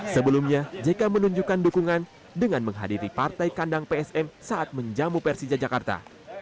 sebelumnya jk menunjukkan dukungan dengan menghadiri partai kandang psm saat menjamu persija jakarta